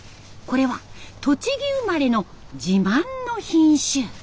これは栃木生まれの自慢の品種。